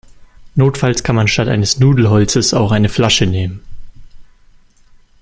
Notfalls kann man statt eines Nudelholzes auch eine Flasche nehmen.